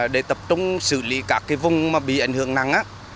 để tập trung xử lý các vùng bị ảnh hưởng nặng